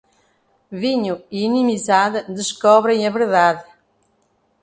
Vinho e inimizade descobrem a verdade.